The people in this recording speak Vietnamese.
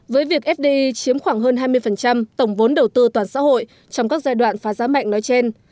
với việc fdi chiếm khoảng hơn hai mươi tổng vốn đầu tư toàn xã hội trong các giai đoạn phá giá mạnh nói trên